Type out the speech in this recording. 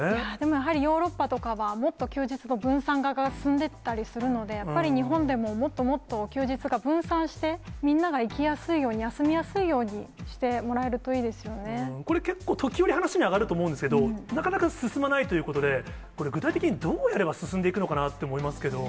やはりヨーロッパとかはもっと休日の分散化が進んでったりするので、日本でももっともっと、休日が分散して、みんなが行きやすいように、休みやすいようにしてもらいたいこれ、結構、時折話に上がると思うんですけれども、なかなか進まないということで、これ、具体的にどうやれば進んでいくのかなと思いますけれども。